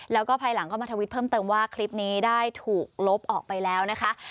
แล้วก็ภายหลังเข้ามาทวิตเพิ่มเติมว่าคลิปนี้ได้ถูกลบออกไปแล้วนะคะ